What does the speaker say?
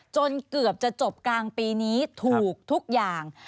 จนเกือบจะจบกลางปีนี้ถูกทุกอย่าง